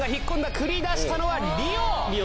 くりだしたのはリオ！